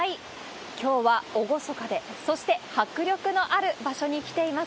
きょうは、おごそかで、そして迫力のある場所に来ています。